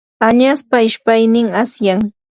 añaspa ishpaynin asyan.